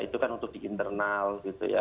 itu kan untuk di internal gitu ya